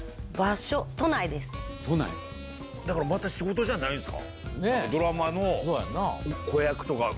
また仕事じゃないんですか？